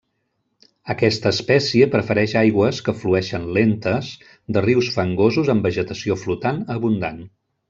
Aquesta espècie prefereix aigües que flueixen lentes de rius fangosos amb vegetació flotant abundant.